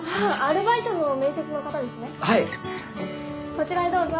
こちらへどうぞ。